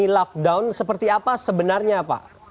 lockdown seperti apa sebenarnya pak